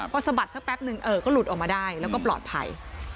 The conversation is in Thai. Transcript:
พอสะบัดสักแป๊บนึงก็หลุดออกมาได้แล้วก็ปลอดภัย